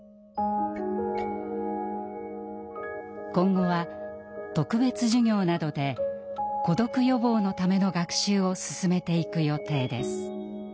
今後は特別授業などで孤独予防のための学習を進めていく予定です。